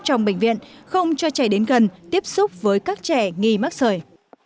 trong bệnh viện không cho trẻ đến gần tiếp xúc với các trẻ nghi mắc sợi